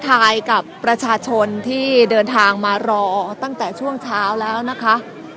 ทายกับประชาชนที่เดินทางมารอตั้งแต่ช่วงเช้าแล้วนะคะ